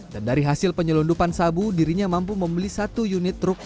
dan dari hasil penyelundupan sabu dirinya mampu membeli satu unit truk